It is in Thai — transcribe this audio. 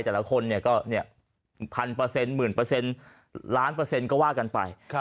แต่ละคนก็๑๐๐๐หมื่นเปอร์เซ็นต์ล้านเปอร์เซ็นต์ก็ว่ากันไป